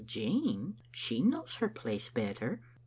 "Jean? She knows her place better."